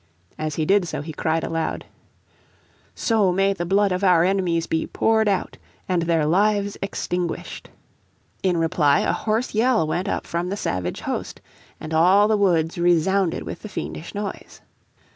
As he did so he cried aloud: "So may the blood of our enemies be poured out and their lives extinguished." In reply a hoarse yell went up from the savage host, and all the woods resounded with the fiendish noise.